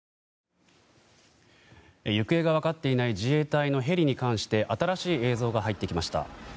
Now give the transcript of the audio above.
行方が分かっていない自衛隊のヘリに関して新しい映像が入ってきました。